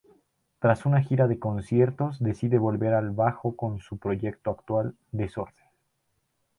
Tras una gira de conciertos decide volver al bajo con su proyecto actual: Desorden.